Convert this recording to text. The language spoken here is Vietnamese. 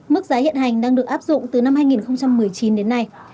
mức giá hiện hành đang được áp dụng từ năm hai nghìn một mươi chín đến nay